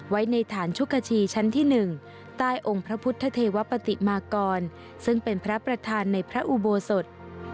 ไว้ในฐานชุกชีชั้นที่๑ใต้องค์พระพุทธเทวปฏิมากรซึ่งเป็นพระประธานในพระอุโบสถ